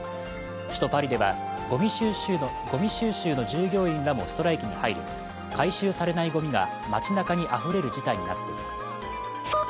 首都パリではごみ収集の従業員らもストライキに入り回収されないごみが街なかにあふれる事態になっています。